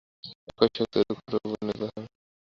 একই শক্তি সুখ ও দুঃখরূপে পরিণত হয়।